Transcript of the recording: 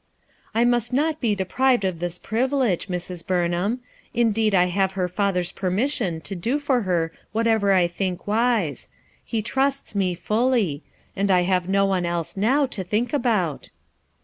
I must not be deprived of this privilege, Mrs. Buroham; indeed I havo her father's permission to do for her whatever I think wise ; he trusts me fully ; and I havo no one else, now, to think about."